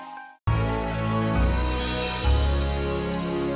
terus ngelakuin tiga anak kita